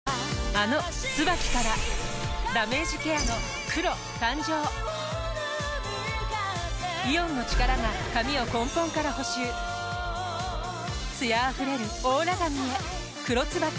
あの「ＴＳＵＢＡＫＩ」からダメージケアの黒誕生イオンの力が髪を根本から補修艶あふれるオーラ髪へ「黒ＴＳＵＢＡＫＩ」